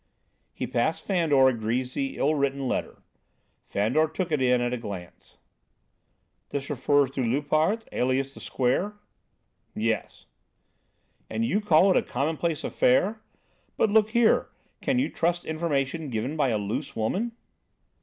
He passed Fandor a greasy, ill written letter. Fandor took it in at a glance. "This refers to Loupart, alias the Square?" "Yes." "And you call it a commonplace affair? But, look here, can you trust information given by a loose woman?"